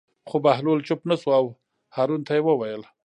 خو بهلول چوپ نه شو او هارون ته یې وویل.